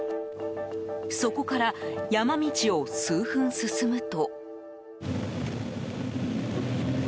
そこから山道を数分進むと。